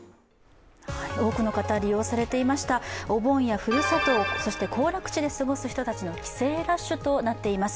多くの方、利用されていましたお盆やふるさと、そして行楽地で過ごす人たちの帰省ラッシュとなっています。